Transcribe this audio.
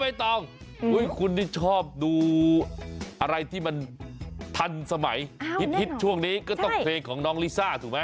ไม่ต้องคุณนี่ชอบดูอะไรที่มันทันสมัยฮิตช่วงนี้ก็ต้องเพลงของน้องลิซ่าถูกไหม